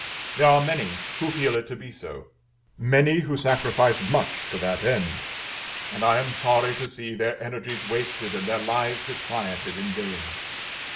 There are many who feel it to be so; many who sacrifice much to that end; and I am sorry to see their energies wasted and their lives disquieted in vain.